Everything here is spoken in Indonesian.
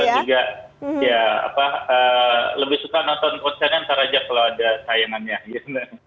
ya lebih suka nonton konsernya antara aja kalau ada sayangannya